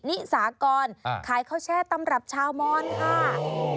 นิสากรขายข้าวแช่ตำรับชาวมอนค่ะ